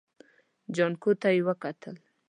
جانکو ته يې وکتل.